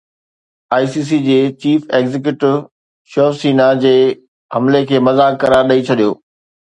I سي سي جي chief executive Shiv Sena جي حملي کي مذاق قرار ڏئي ڇڏيو